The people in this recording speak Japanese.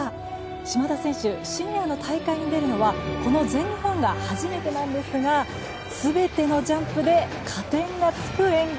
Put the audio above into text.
島田選手シニアの大会に出るのはこの全日本が初めてなんですが全てのジャンプで加点がつく演技。